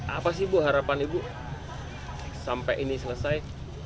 apa sih ibu harapan ibu sampai ini selesai